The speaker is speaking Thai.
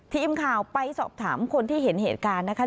ทีมข่าวไปสอบถามคนที่เห็นเหตุการณ์นะคะ